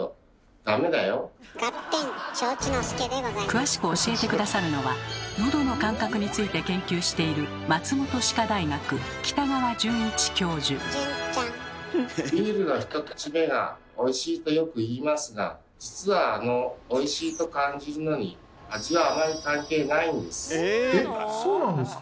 詳しく教えて下さるのはのどの感覚について研究しているとよく言いますが実はあの「おいしい」と感じるのに味はあまり関係ないんです。